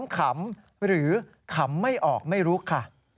ขำหรือขำไม่ออกไม่รู้ค่ะ